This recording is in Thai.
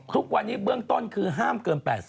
ทุกวันนี้เบื้องต้นคือห้ามเกิน๘๐